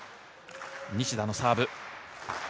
西田のサーブ。